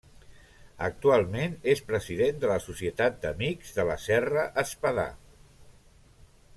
Actualment és president de la Societat d'Amics de la Serra Espadà.